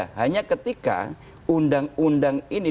karena landasan aturan nya ada